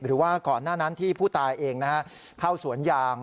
หรือว่าก่อนหน้านั้นที่ผู้ตายเองเข้าสวนยาง